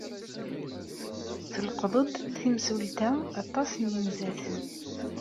Telqeḍ-d temsulta aṭas n yinzaten.